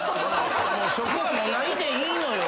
そこはもうないでいいのよ。